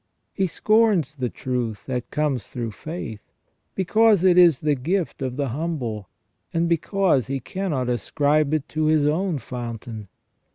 He scorns the truth that comes through faith, be cause it is the gift of the humble, and because he cannot ascribe it to his own fountain.